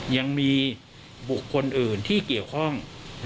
ยังมีบุคคลอื่นที่เกี่ยวข้อง